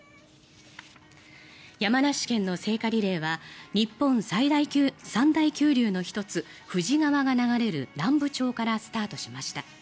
山梨県の聖火リレーは日本三大急流の１つ富士川が流れる南部町からスタートしました。